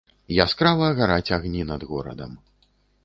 Яскрава гараць агні над горадам.